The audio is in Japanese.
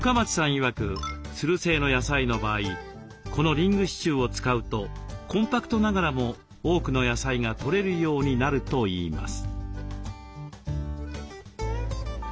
いわくつる性の野菜の場合このリング支柱を使うとコンパクトながらも多くの野菜がとれるようになるといいます。